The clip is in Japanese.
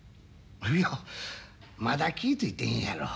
いやまだ気ぃ付いてへんやろ。